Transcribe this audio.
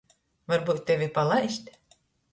Varbyut tevi palaist?